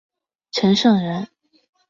陈胜人。